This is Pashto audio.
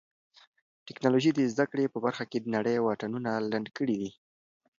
ټیکنالوژي د زده کړې په برخه کې د نړۍ واټنونه لنډ کړي دي.